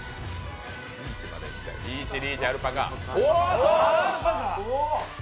リーチ、リーチ、アルパカ。